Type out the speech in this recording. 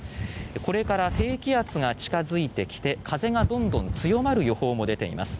これから低気圧が近づいてきて風もどんどん強まる予報も出ています。